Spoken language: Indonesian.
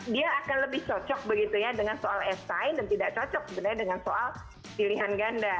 dia akan lebih cocok begitu ya dengan soal es time dan tidak cocok sebenarnya dengan soal pilihan ganda